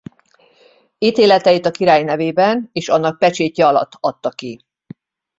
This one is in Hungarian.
Ítéleteit a király nevében és annak pecsétje alatt adta ki.